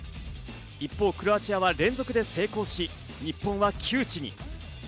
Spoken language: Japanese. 一方、クロアチアは連続で成功し、日本は窮地に。